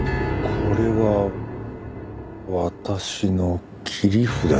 「これは私の切り札だ」